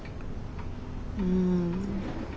うん。